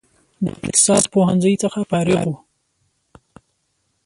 د اقتصاد پوهنځي څخه فارغ و.